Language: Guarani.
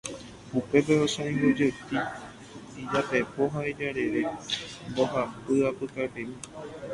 upépe osãingójepi ijapepo ha ijerére mbohapy apykapemi.